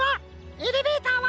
エレベーターは？